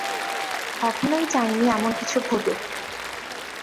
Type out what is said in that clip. কখনোই চাইনি এমন কিছু ঘটুক।